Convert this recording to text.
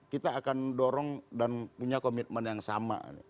kita akan dorong dan punya komitmen yang sama